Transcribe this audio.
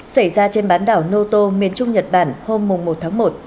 xảy ra trên bán đảo noto miền trung nhật bản hôm một tháng một